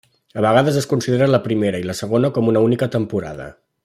A vegades es considera la primera i la segona com una única temporada.